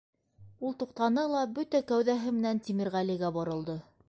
Ул туҡтаны ла бөтә кәүҙәһе менән Тимерғәлегә боролдо: